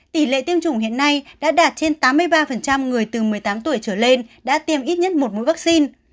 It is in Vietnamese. tỷ lệ tiêm chủng hiện nay đã đạt trên tám mươi ba người từ một mươi tám tuổi trở lên đã tiêm ít nhất một mũi vaccine